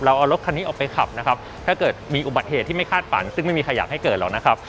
เอารถคันนี้ออกไปขับนะครับถ้าเกิดมีอุบัติเหตุที่ไม่คาดฝันซึ่งไม่มีใครอยากให้เกิดหรอกนะครับ